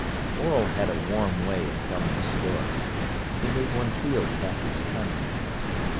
Morel had a warm way of telling a story. He made one feel Taffy's cunning.